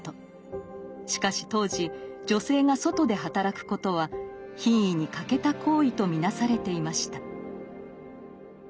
しかし当時女性が外で働くことは品位に欠けた行為と見なされていました。